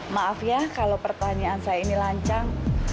maaf ya kalau pertanyaan saya ini lancang